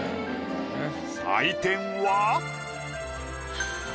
採点は。